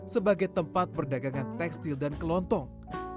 sebagai tempat perdagangan tekstil dan kelontong